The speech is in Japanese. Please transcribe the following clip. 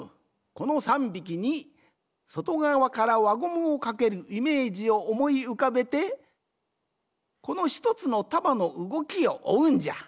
この３びきにそとがわからわゴムをかけるイメージをおもいうかべてこの１つのたばのうごきをおうんじゃ。